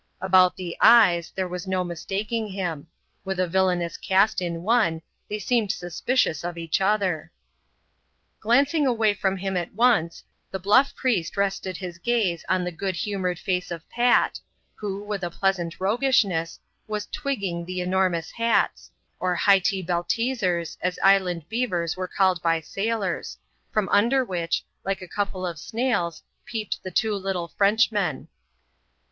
About the eyes, there was no mistaking him ; with a villanous cast in one, they seemed suspicious o£ eac\i ot\iftic. (ttAP. xxxvn. j FR£:N€H PRIESTS PAY THEIR RESPECTS. 145 Glancing awaj firom bim at once, the bluff priest rested his gaze on the good humoured face of Fat, who, with a pleasant rogmshnes% was " twigging" the enormous hats (or " Hjtee Beiteezers," as land beavers are called by sailors), from under which, like a couple of snails, peeped the two little French* men.